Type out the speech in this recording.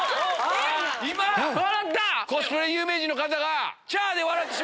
今コスプレ有名人の方が。